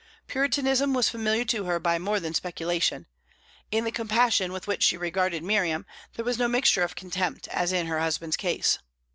Puritanism was familiar to her by more than speculation; in the compassion with which she regarded Miriam there was no mixture of contempt, as in her husband's case.